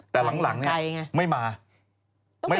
แต่หลังไม่มาไม่มาแล้วอีกปี